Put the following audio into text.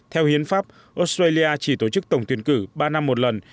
theo hiến pháp australia chỉ tổ chức tổng tuyển cử ba năm một lần